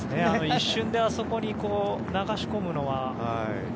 あの一瞬であそこに流し込むのは。